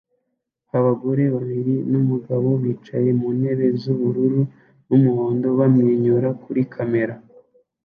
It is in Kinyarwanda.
Abagore babiri numugabo bicaye mu ntebe z'ubururu n'umuhondo bamwenyura kuri kamera